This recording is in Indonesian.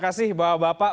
oke baik terima kasih bapak